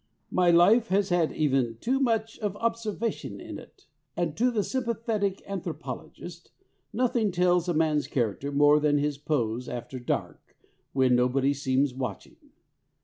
My life has had even too much of observation in it, and to the systematic anthropologist, nothing tells a man's character more than his pose after dark, when nobody seems watching.